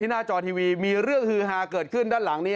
หน้าจอทีวีมีเรื่องฮือฮาเกิดขึ้นด้านหลังนี้